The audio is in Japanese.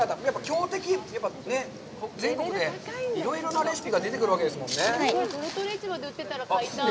強敵、全国でいろいろなレシピが出てくるわけですもんね？